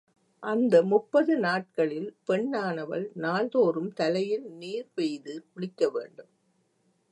அந்த முப்பது நாட்களில் பெண்ணானவள் நாள் தோறும் தலையில் நீர்பெய்து குளிக்க வேண்டும்.